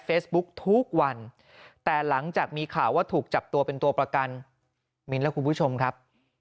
ทุกวันแต่หลังจากมีข่าวว่าถูกจับตัวเป็นตัวประกันมิ้นและคุณผู้ชมครับ